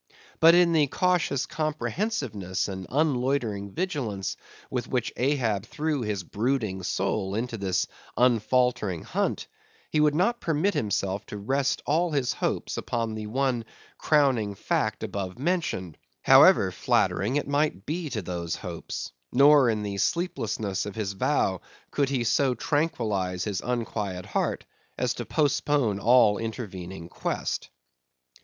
But in the cautious comprehensiveness and unloitering vigilance with which Ahab threw his brooding soul into this unfaltering hunt, he would not permit himself to rest all his hopes upon the one crowning fact above mentioned, however flattering it might be to those hopes; nor in the sleeplessness of his vow could he so tranquillize his unquiet heart as to postpone all intervening quest.